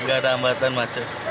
nggak ada hambatan macet